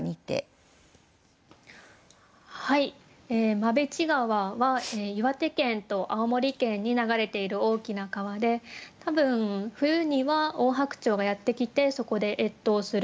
馬淵川は岩手県と青森県に流れている大きな川で多分冬にはオオハクチョウがやって来てそこで越冬する。